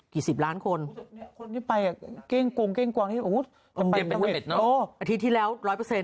สิบล้านคนคนที่ไปอ่ะเก้งกงเก้งกวางที่ไปอาทิตย์ที่แล้วร้อยเปอร์เซ็